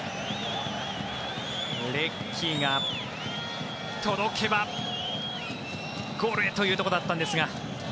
レッキーが届けばゴールへというところだったんですが。